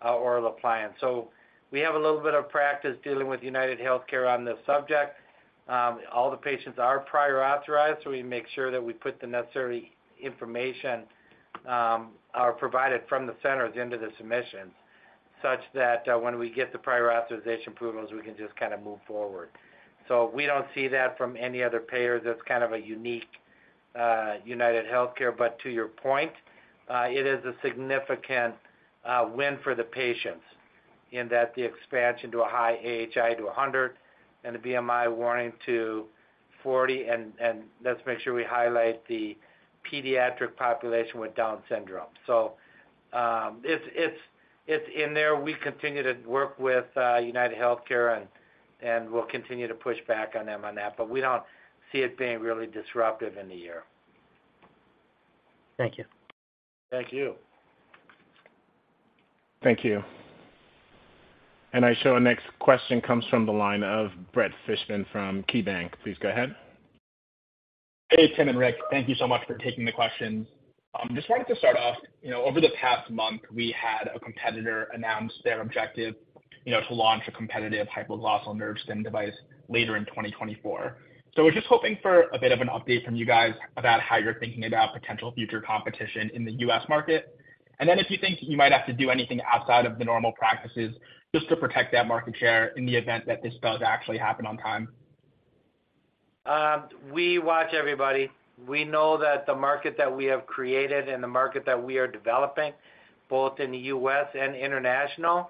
our oral appliance. So we have a little bit of practice dealing with UnitedHealthcare on this subject. All the patients are prior authorized, so we make sure that we put the necessary information are provided from the centers into the submissions, such that when we get the prior authorization approvals, we can just kind of move forward. So we don't see that from any other payer. That's kind of a unique, UnitedHealthcare. But to your point, it is a significant win for the patients in that the expansion to a high AHI to 100 and the BMI up to 40, and let's make sure we highlight the pediatric population with Down syndrome. So, it's in there. We continue to work with UnitedHealthcare, and we'll continue to push back on them on that, but we don't see it being really disruptive in the year. Thank you. Thank you. Thank you. I show our next question comes from the line of Brett Fishbin from KeyBanc Capital Markets. Please go ahead. Hey, Tim and Rick, thank you so much for taking the questions. Just wanted to start off, you know, over the past month, we had a competitor announce their objective, you know, to launch a competitive Hypoglossal nerve stim device later in 2024. So we're just hoping for a bit of an update from you guys about how you're thinking about potential future competition in the U.S. market. And then if you think you might have to do anything outside of the normal practices just to protect that market share in the event that this does actually happen on time. We watch everybody. We know that the market that we have created and the market that we are developing, both in the U.S. and international,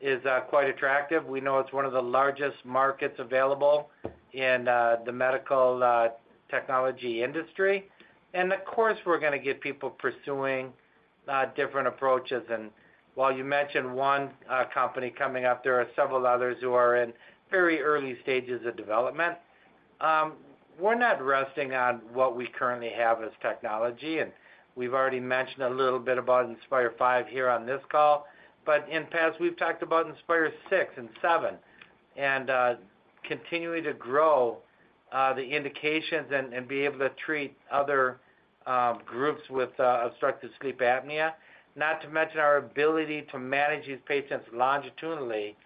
is quite attractive. We know it's one of the largest markets available in the medical technology industry. And of course, we're gonna get people pursuing different approaches. And while you mentioned one company coming up, there are several others who are in very early stages of development. We're not resting on what we currently have as technology, and we've already mentioned a little bit about Inspire V here on this call. But in past, we've talked about Inspire VI and VI, and continuing to grow-... The indications and be able to treat other groups with obstructive sleep apnea, not to mention our ability to manage these patients longitudinally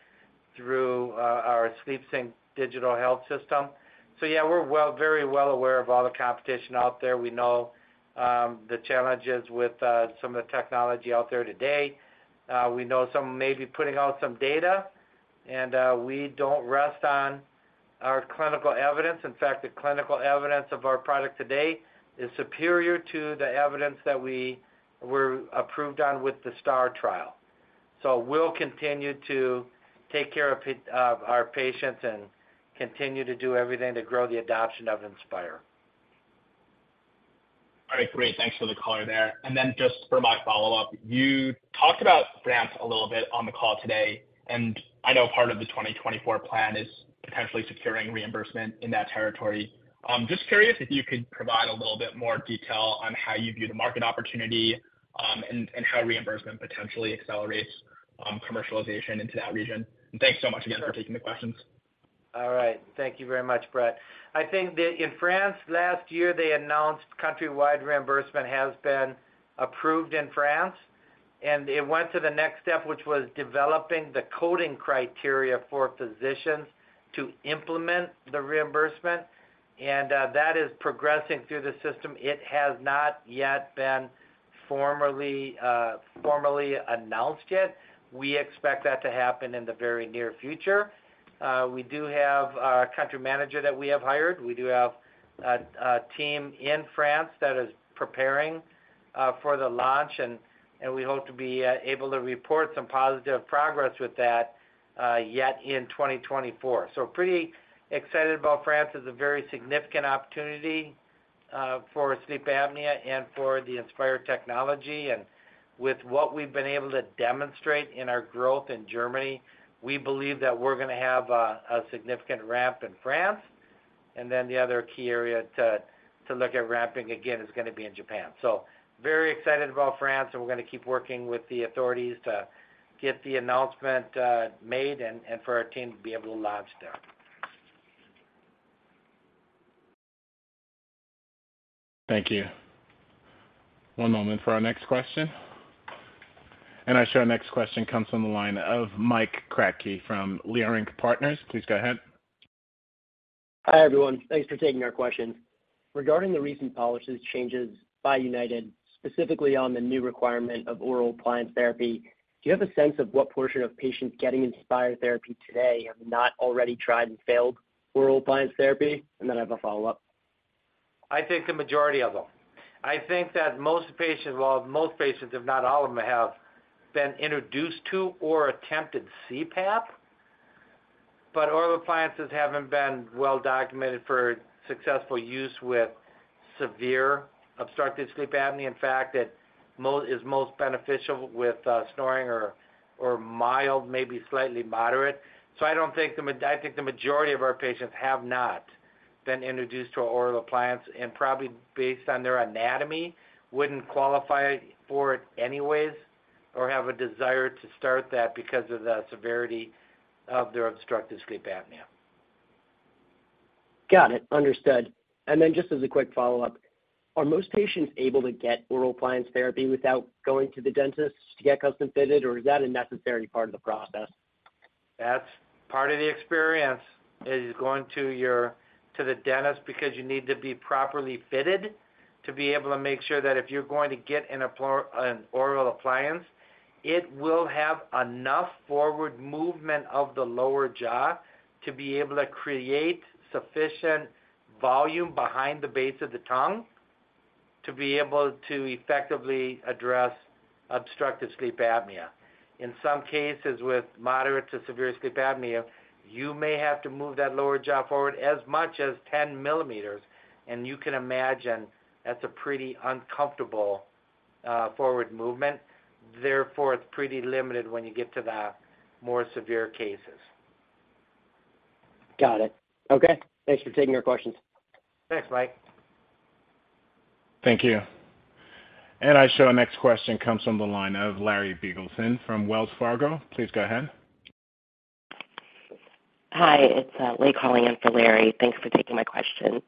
through our SleepSync digital health system. So yeah, we're very well aware of all the competition out there. We know the challenges with some of the technology out there today. We know some may be putting out some data, and we don't rest on our clinical evidence. In fact, the clinical evidence of our product today is superior to the evidence that we were approved on with the STAR trial. So we'll continue to take care of our patients and continue to do everything to grow the adoption of Inspire. All right, great. Thanks for the color there. And then just for my follow-up, you talked about France a little bit on the call today, and I know part of the 2024 plan is potentially securing reimbursement in that territory. Just curious if you could provide a little bit more detail on how you view the market opportunity, and how reimbursement potentially accelerates commercialization into that region. And thanks so much again for taking the questions. All right. Thank you very much, Brett. I think that in France, last year, they announced countrywide reimbursement has been approved in France, and it went to the next step, which was developing the coding criteria for physicians to implement the reimbursement, and that is progressing through the system. It has not yet been formally, formally announced yet. We expect that to happen in the very near future. We do have a country manager that we have hired. We do have a team in France that is preparing for the launch, and we hope to be able to report some positive progress with that yet in 2024. So pretty excited about France. It's a very significant opportunity for sleep apnea and for the Inspire technology. With what we've been able to demonstrate in our growth in Germany, we believe that we're gonna have a significant ramp in France. Then the other key area to look at ramping again is gonna be in Japan. So very excited about France, and we're gonna keep working with the authorities to get the announcement made and for our team to be able to launch there. Thank you. One moment for our next question. I show our next question comes from the line of Mike Kratky from Leerink Partners. Please go ahead. Hi, everyone. Thanks for taking our question. Regarding the recent policies changes by United, specifically on the new requirement of oral appliance therapy, do you have a sense of what portion of patients getting Inspire therapy today have not already tried and failed oral appliance therapy? And then I have a follow-up. I think the majority of them. I think that most patients, well, most patients, if not all of them, have been introduced to or attempted CPAP, but oral appliances haven't been well documented for successful use with severe obstructive sleep apnea. In fact, that is most beneficial with snoring or mild, maybe slightly moderate. So I don't think I think the majority of our patients have not been introduced to an oral appliance, and probably based on their anatomy, wouldn't qualify for it anyways, or have a desire to start that because of the severity of their obstructive sleep apnea. Got it. Understood. And then just as a quick follow-up, are most patients able to get oral appliance therapy without going to the dentist to get custom fitted, or is that a necessary part of the process? That's part of the experience, is going to your, to the dentist because you need to be properly fitted to be able to make sure that if you're going to get an oral appliance, it will have enough forward movement of the lower jaw to be able to create sufficient volume behind the base of the tongue to be able to effectively address obstructive sleep apnea. In some cases, with moderate to severe sleep apnea, you may have to move that lower jaw forward as much as 10 millimeters, and you can imagine that's a pretty uncomfortable forward movement. Therefore, it's pretty limited when you get to the more severe cases. Got it. Okay. Thanks for taking our questions. Thanks, Mike. Thank you. And I show our next question comes from the line of Larry Biegelsen from Wells Fargo. Please go ahead. Hi, it's Lei calling in for Larry. Thanks for taking my question.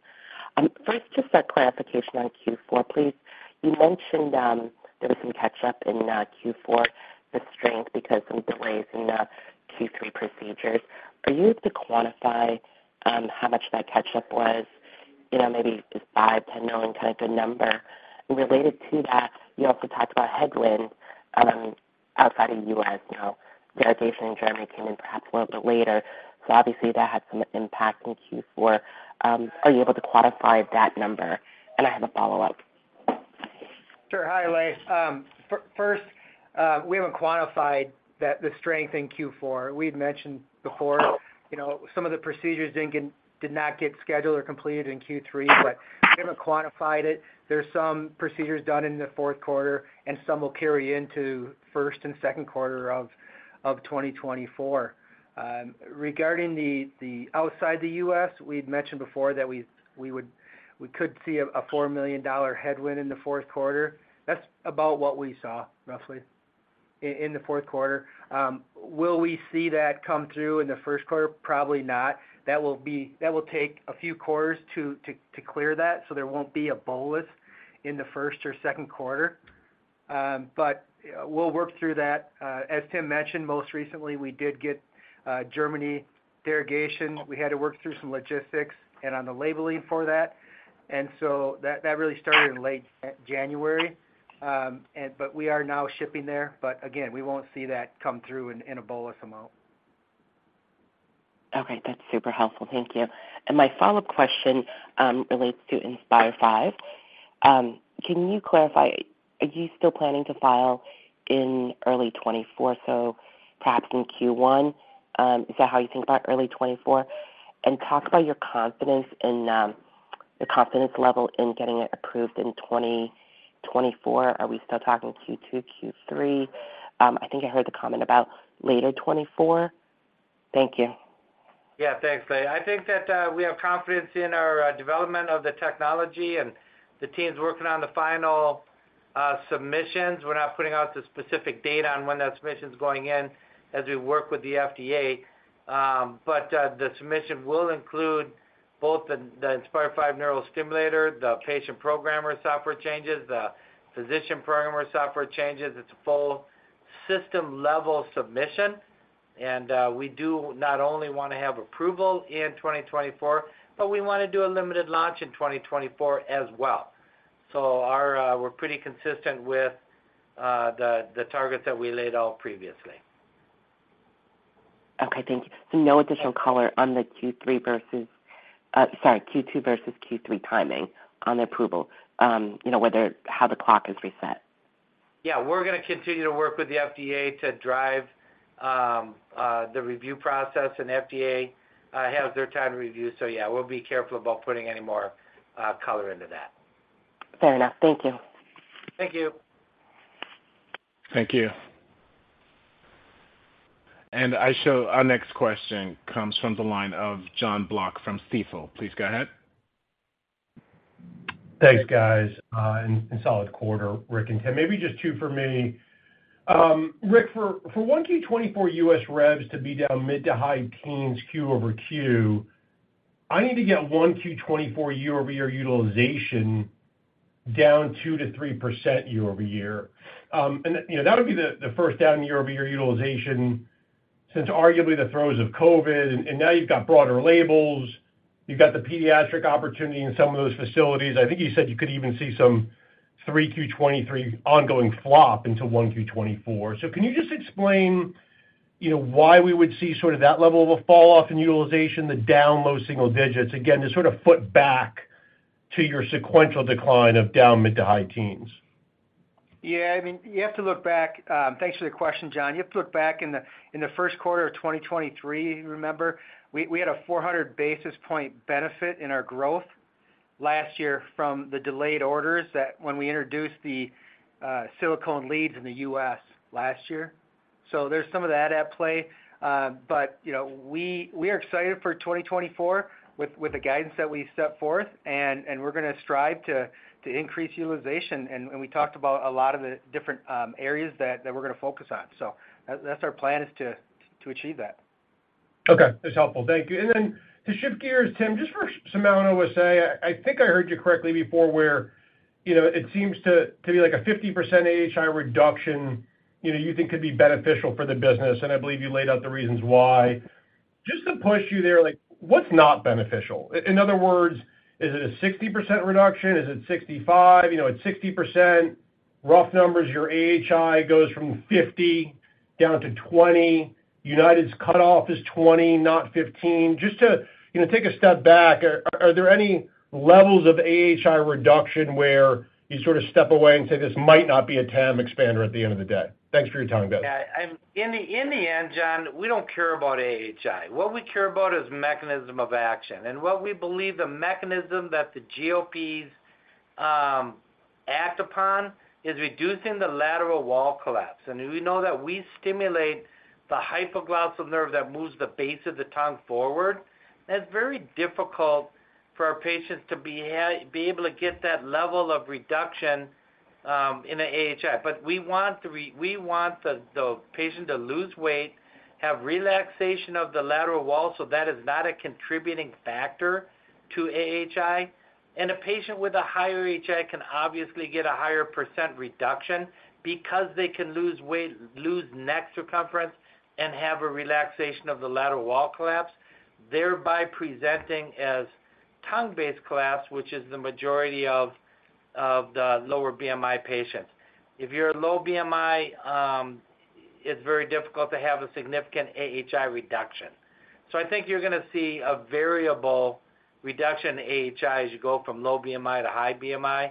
First, just a clarification on Q4, please. You mentioned there was some catch-up in Q4, the strength, because of the delays in the Q3 procedures. Are you able to quantify how much that catch-up was? You know, maybe just $5-$10 million, kind of the number. Related to that, you also talked about headwinds outside of U.S. You know, validation in Germany came in perhaps a little bit later, so obviously that had some impact in Q4. Are you able to quantify that number? And I have a follow-up. Sure. Hi, Lei. First, we haven't quantified the strength in Q4. We've mentioned before, you know, some of the procedures didn't get scheduled or completed in Q3, but we haven't quantified it. There's some procedures done in the fourth quarter, and some will carry into first and second quarter of 2024. Regarding the outside the U.S., we'd mentioned before that we could see a $4 million headwind in the fourth quarter. That's about what we saw, roughly in the fourth quarter. Will we see that come through in the first quarter? Probably not. That will take a few quarters to clear that, so there won't be a bolus in the first or second quarter. But, we'll work through that. As Tim mentioned, most recently, we did get a Germany derogation. We had to work through some logistics and on the labeling for that, and so that really started in late January. We are now shipping there. But again, we won't see that come through in a bolus amount. Okay, that's super helpful. Thank you. And my follow-up question relates to Inspire V. Can you clarify, are you still planning to file in early 2024, so perhaps in Q1? Is that how you think about early 2024? And talk about your confidence in the confidence level in getting it approved in 2024. Are we still talking Q2, Q3? I think I heard the comment about later 2024. Thank you. Yeah, thanks, Lei. I think that we have confidence in our development of the technology and the teams working on the final submissions. We're not putting out the specific data on when that submission is going in as we work with the FDA. But the submission will include both the Inspire V neural stimulator, the patient programmer software changes, the physician programmer software changes. It's a full system-level submission, and we do not only want to have approval in 2024, but we want to do a limited launch in 2024 as well. So we're pretty consistent with the targets that we laid out previously. Okay, thank you. So no additional color on the Q3 versus, sorry, Q2 versus Q3 timing on the approval, you know, whether how the clock is reset? Yeah, we're going to continue to work with the FDA to drive the review process, and the FDA has their time to review. So yeah, we'll be careful about putting any more color into that. Fair enough. Thank you. Thank you. Thank you. And I show our next question comes from the line of Jon Block from Stifel. Please go ahead. Thanks, guys, and solid quarter, Rick and Tim. Maybe just two for me. Rick, for 1Q24 U.S. revs to be down mid- to high-teens% Q-over-Q, I need to get 1Q24 year-over-year utilization down 2%-3% year-over-year. And, you know, that would be the first down year-over-year utilization since arguably the throes of COVID, and now you've got broader labels, you've got the pediatric opportunity in some of those facilities. I think you said you could even see some 3Q23 ongoing flow into 1Q24. So can you just explain, you know, why we would see sort of that level of a falloff in utilization, the down low-single-digits, again, to sort of tie back to your sequential decline of down mid- to high-teens%? Yeah, I mean, you have to look back - thanks for the question, John. You have to look back in the first quarter of 2023, remember, we had a 400 basis point benefit in our growth last year from the delayed orders that when we introduced the silicone leads in the U.S. last year. So there's some of that at play. But, you know, we are excited for 2024 with the guidance that we set forth, and we're going to strive to increase utilization. And we talked about a lot of the different areas that we're going to focus on. So that's our plan, is to achieve that. Okay, that's helpful. Thank you. And then to shift gears, Tim, just for some OSA, I think I heard you correctly before, where, you know, it seems to be like a 50% AHI reduction, you know, you think could be beneficial for the business, and I believe you laid out the reasons why. Just to push you there, like, what's not beneficial? In other words, is it a 60% reduction? Is it 65%? You know, at 60%, rough numbers, your AHI goes from 50 down to 20. United's cutoff is 20, not 15. Just to, you know, take a step back, are there any levels of AHI reduction where you sort of step away and say, "This might not be a TAM expander at the end of the day?" Thanks for your time, guys. Yeah, in the end, John, we don't care about AHI. What we care about is mechanism of action, and what we believe the mechanism that the GLPs act upon is reducing the lateral wall collapse. And we know that we stimulate the hypoglossal nerve that moves the base of the tongue forward. That's very difficult for our patients to be able to get that level of reduction in the AHI. But we want the patient to lose weight, have relaxation of the lateral wall, so that is not a contributing factor to AHI. A patient with a higher AHI can obviously get a higher percent reduction because they can lose weight, lose neck circumference, and have a relaxation of the lateral wall collapse, thereby presenting as tongue-based collapse, which is the majority of the lower BMI patients. If you're a low BMI, it's very difficult to have a significant AHI reduction. I think you're going to see a variable reduction in AHI as you go from low BMI to high BMI.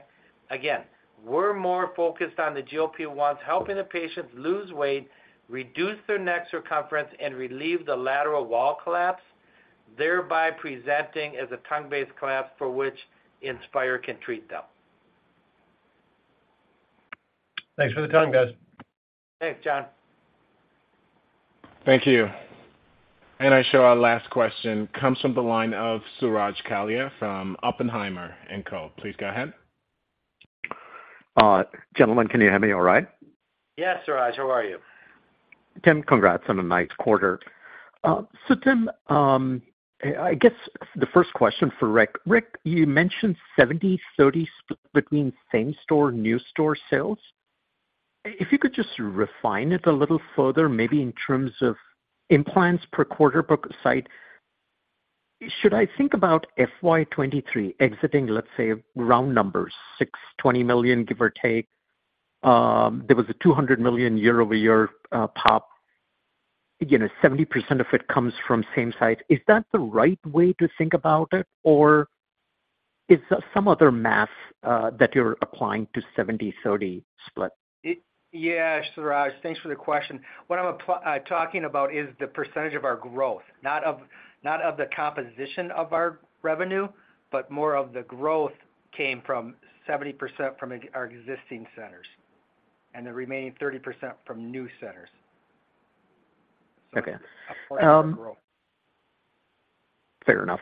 We're more focused on the GLP-1s, helping the patients lose weight, reduce their neck circumference, and relieve the lateral wall collapse, thereby presenting as a tongue-based collapse for which Inspire can treat them. Thanks for the time, guys. Thanks, John. Thank you. I'm showing our last question comes from the line of Suraj Kalia from Oppenheimer and Co. Please go ahead. Gentlemen, can you hear me all right? Yes, Suraj, how are you? Tim, congrats on a nice quarter. So Tim, I guess the first question for Rick. Rick, you mentioned 70/30 split between same store, new store sales. If you could just refine it a little further, maybe in terms of implants per quarter per site, should I think about FY 2023 exiting, let's say, round numbers, $620 million, give or take? There was a $200 million year-over-year pop. You know, 70% of it comes from same site. Is that the right way to think about it, or is some other math that you're applying to 70/30 split? Yeah, Suraj, thanks for the question. What I'm talking about is the percentage of our growth, not of, not of the composition of our revenue, but more of the growth came from 70% from our existing centers and the remaining 30% from new centers. Okay. Of course, the growth. Fair enough.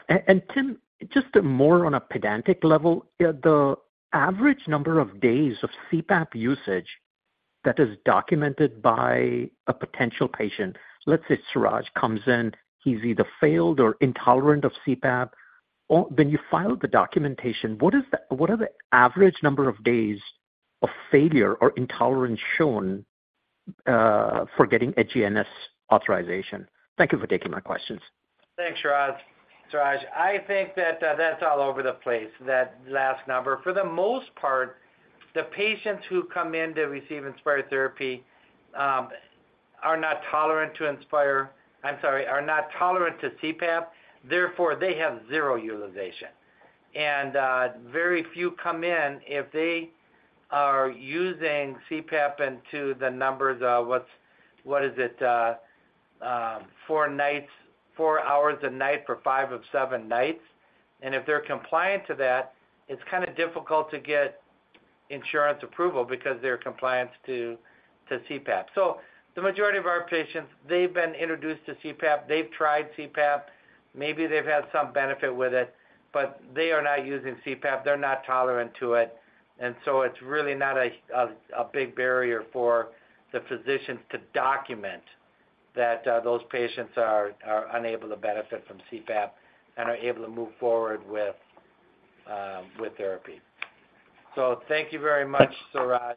Tim, just more on a pedantic level, the average number of days of CPAP usage that is documented by a potential patient. Let's say Suraj comes in, he's either failed or intolerant of CPAP, or when you file the documentation, what are the average number of days of failure or intolerance shown for getting a HNS authorization? Thank you for taking my questions. Thanks, Suraj. Suraj, I think that that's all over the place, that last number. For the most part, the patients who come in to receive Inspire therapy are not tolerant to Inspire. I'm sorry, are not tolerant to CPAP, therefore, they have zero utilization. And very few come in if they are using CPAP into the numbers of what is it? Four nights, four hours a night for five of seven nights. And if they're compliant to that, it's kind of difficult to get insurance approval because they're compliant to CPAP. So the majority of our patients, they've been introduced to CPAP, they've tried CPAP, maybe they've had some benefit with it, but they are not using CPAP. They're not tolerant to it. It's really not a big barrier for the physicians to document that those patients are unable to benefit from CPAP and are able to move forward with therapy. Thank you very much, Suraj.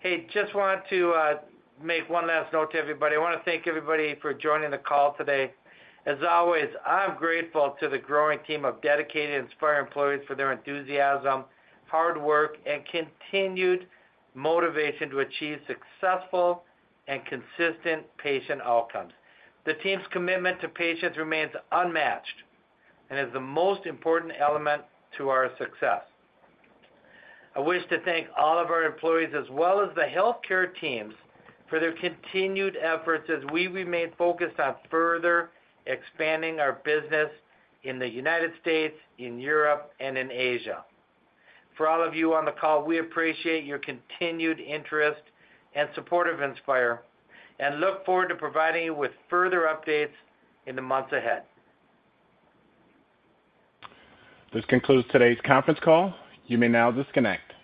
Hey, just want to make one last note to everybody. I want to thank everybody for joining the call today. As always, I'm grateful to the growing team of dedicated Inspire employees for their enthusiasm, hard work, and continued motivation to achieve successful and consistent patient outcomes. The team's commitment to patients remains unmatched and is the most important element to our success. I wish to thank all of our employees as well as the healthcare teams for their continued efforts as we remain focused on further expanding our business in the United States, in Europe, and in Asia. For all of you on the call, we appreciate your continued interest and support of Inspire, and look forward to providing you with further updates in the months ahead. This concludes today's conference call. You may now disconnect.